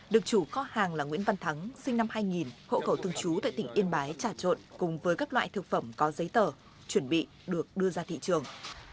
được chủ kho hàng là nguyễn văn thắng sinh năm hai nghìn hộ cầu thương chú tại tỉnh yên bái trả trộn cùng với các loại thực phẩm có giấy tờ chuẩn bị được đưa ra thị trường